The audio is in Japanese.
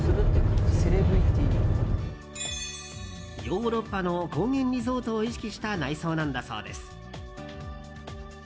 ヨーロッパの高原リゾートを意識した内装なんだそうです。